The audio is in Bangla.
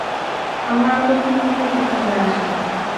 আমার আর কোনোকিছুতেই কিছু যায় আসে না।